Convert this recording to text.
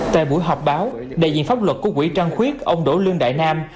tại buổi họp báo đại diện pháp luật của quỹ trăng khuyết ông đỗ lương đại nam